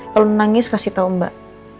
kalo nangis kasih tau mbak